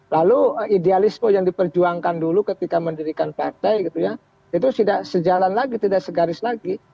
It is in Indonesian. lalu idealisme yang diperjuangkan dulu ketika mendirikan partai gitu ya itu tidak sejalan lagi tidak segaris lagi